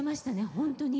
本当に。